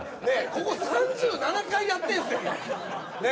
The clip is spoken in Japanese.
ここ３７回やってるんですよね？